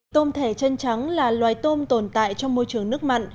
tôm thẻ chân trắng là loài tôm tồn tại trong môi trường nước mặn